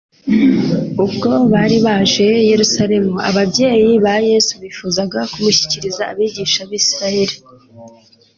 Ubwo bari baje i Yerusalemu, ababyeyi ba Yesu bifuzaga kumushyikiriza abigisha b'Isirayeli.